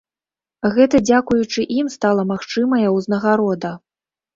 Гэта дзякуючы ім стала магчымая ўзнагарода.